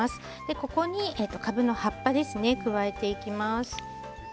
ここに、かぶの葉っぱを加えていきます。